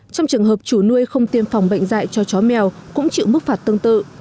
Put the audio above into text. trong trường hợp chủ nuôi không tiêm phòng bệnh dạy cho chó mèo cũng chịu mức phạt tương tự